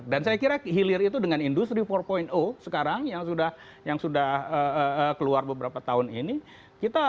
dan saya kira hilir itu dengan industri empat sekarang yang sudah keluar beberapa tahun ini